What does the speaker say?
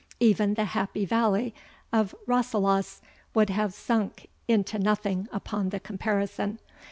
Even the Happy Valley of Rasselas would have sunk into nothing upon the comparison.